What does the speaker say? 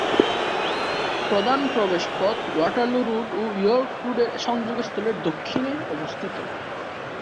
প্রধান প্রবেশপথ Waterloo road ও ইয়র্ক রোডের সংযোগস্থলের দক্ষিণে অবস্থিত।